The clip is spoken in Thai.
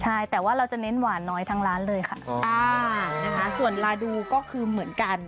ใช่แต่ว่าเราจะเน้นหวานน้อยทั้งร้านเลยค่ะอ่านะคะส่วนลาดูก็คือเหมือนกัน